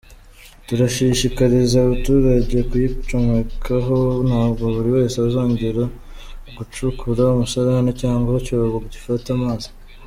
Turashishikariza abaturage kuyicomekaho, ntabwo buri wese azongera gucukura umusarane cyangwa icyobo gifata amazi.